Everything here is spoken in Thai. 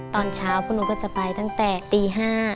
ตอนเช้าพวกหนูก็จะไปตั้งแต่ตี๕